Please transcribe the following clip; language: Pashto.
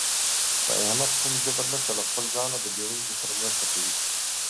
په احمد کوم جبر نشته، له خپله ځانه د بېوزلو سره مرسته کوي.